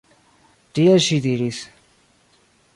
Tiel ŝi diris.